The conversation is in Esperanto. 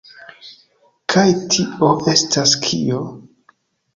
Kaj tio estas kio?